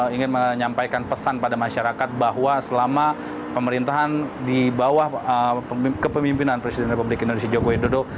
ingin menyampaikan pesan pada masyarakat bahwa selama pemerintahan di bawah kepemimpinan presiden republik indonesia joko widodo